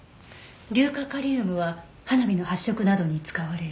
硫化カリウムは花火の発色などに使われる。